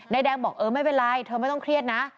แดงบอกเออไม่เป็นไรเธอไม่ต้องเครียดนะ